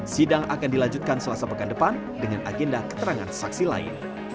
sidang akan dilanjutkan selasa pekan depan dengan agenda keterangan saksi lain